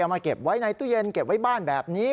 มาเก็บไว้ในตู้เย็นเก็บไว้บ้านแบบนี้